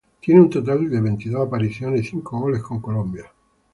Tiene un total de veintidós apariciones y cinco goles con Colombia.